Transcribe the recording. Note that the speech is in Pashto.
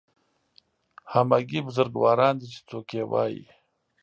همګي بزرګواران چې څوک یې وایي